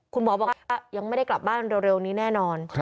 คุณหมอบอกยังไม่ได้กลับบ้านเร็วนี้แน่นอน